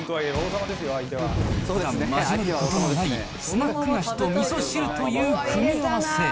ふだん交わることのないスナック菓子とみそ汁という組み合わせ。